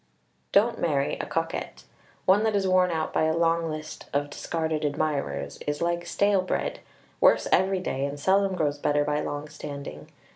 Don't marry a coquette. One that is worn out by a long list of discarded admirers is like stale bread worse every day and seldom grows better by long standing.